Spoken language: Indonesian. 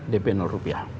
dp rupiah